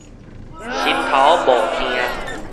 心頭無定